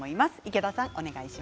池田さん。